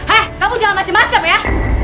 he kamu jalan macem macem ya